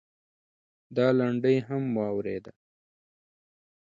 دا لنډۍ هم واورېده.